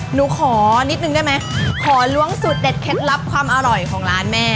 หนูขอนิดนึงได้ไหมขอล้วงสูตรเด็ดเคล็ดลับความอร่อยของร้านแม่